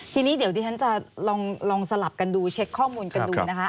ทีนี้เดี๋ยวดิฉันจะลองสลับกันดูเช็คข้อมูลกันดูนะคะ